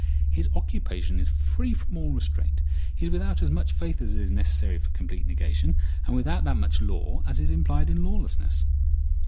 His occupation is free from all restraint. He's without as much faith as is necessary for complete negation, and without that much law as is implied in lawlessness.